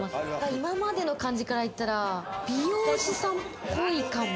今までの感じからいったら美容師さんっぽいかも。